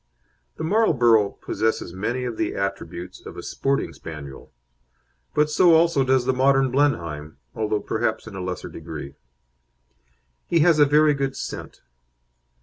The Marlborough possesses many of the attributes of a sporting Spaniel; but so also does the modern Blenheim, although perhaps in a lesser degree. He has a very good scent.